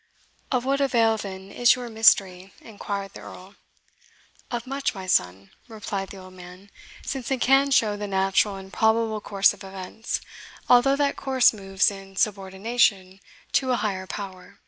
"Of what avail, then, is your mystery?" inquired the Earl. "Of much, my son," replied the old man, "since it can show the natural and probable course of events, although that course moves in subordination to an Higher Power.